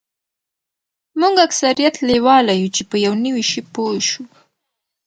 موږ اکثریت لیواله یوو چې په یو نوي شي پوه شو